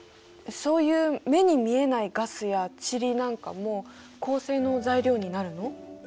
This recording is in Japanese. そういう目に見えないガスや塵なんかも恒星の材料になるの？